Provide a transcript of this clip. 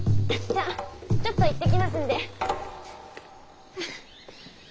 じゃあちょっと行ってきますんで。ハァハァ。